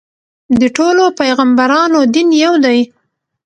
د ټولو پیغمبرانو دین یو دی.